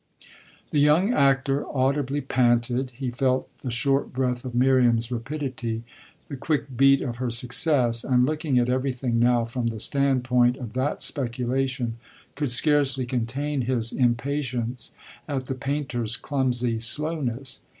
The young actor audibly panted; he felt the short breath of Miriam's rapidity, the quick beat of her success, and, looking at everything now from the standpoint of that speculation, could scarcely contain his impatience at the painter's clumsy slowness.